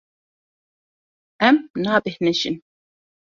Em nabêhnijin.